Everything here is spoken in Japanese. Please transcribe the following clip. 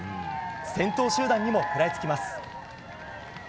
先頭集団にも食らいつきます。